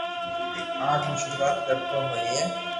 اج مون ݾروعات ڪرو تو ھوئي